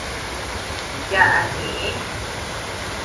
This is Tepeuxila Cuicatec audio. Yaʼa ñeʼe.